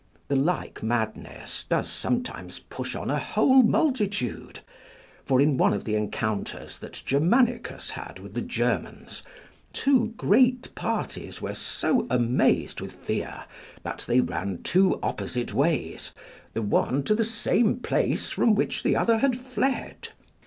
The like madness does sometimes push on a whole multitude; for in one of the encounters that Germanicus had with the Germans, two great parties were so amazed with fear that they ran two opposite ways, the one to the same place from which the other had fled.